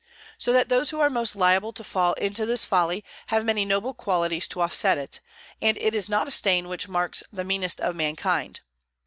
So that those who are most liable to fall into this folly have many noble qualities to offset it, and it is not a stain which marks the "meanest of mankind."